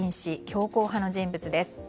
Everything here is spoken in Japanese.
強硬派の人物です。